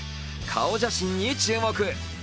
顔写真に注目。